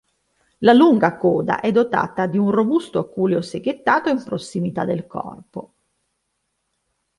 La lunga coda è dotata di un robusto aculeo seghettato in prossimità del corpo.